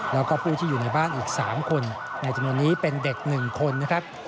แล้วก็ผู้ที่อยู่ในบ้านอีก๓คนในจำนวนนี้เป็นเด็ก๑คนนะครับ